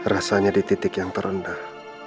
rasanya di titik yang terendah